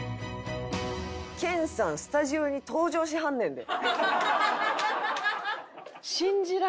研さんスタジオに登場しはんねんで。